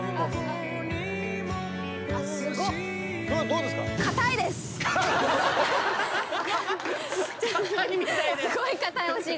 どうですか？